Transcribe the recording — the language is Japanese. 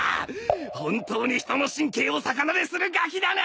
本当に人の神経を逆なでするガキだな！